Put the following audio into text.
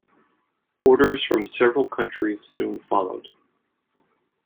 Orders from several countries soon followed.